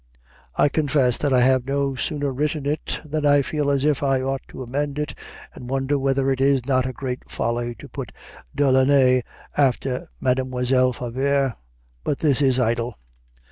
I confess that I have no sooner written it than I feel as if I ought to amend it, and wonder whether it is not a great folly to put Delaunay after Mademoiselle Favart. But this is idle.